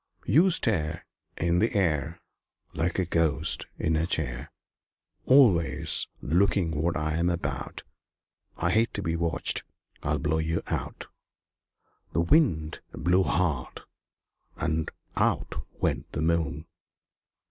You stare In the air Like a ghost in a chair, Always looking what I am about; I hate to be watched I'll blow you out." The Wind blew hard, and out went the Moon.